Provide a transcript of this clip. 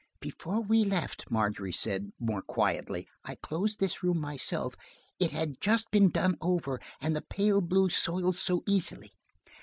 "Before we left," Margery said more quietly, "I closed this room myself. It had just been done over, and the pale blue soils so easily.